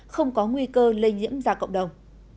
không có nguy cơ lây nhiễm ra cộng đồng